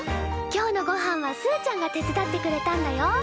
今日のごはんはすーちゃんが手伝ってくれたんだよ。